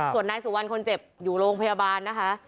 ส่วนนายสุวรรณคนเจ็บอยู่โรงพยาบาลนะคะ